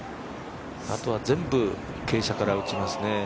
あとは全部、傾斜から打ちますね。